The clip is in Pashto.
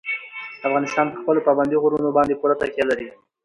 افغانستان په خپلو پابندي غرونو باندې پوره تکیه لري.